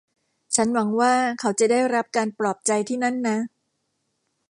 ฉันหวังว่าเขาจะได้รับการปลอบใจที่นั่นนะ